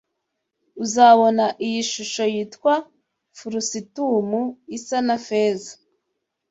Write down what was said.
uzabona iyi shusho yitwa furusitumu isa na feza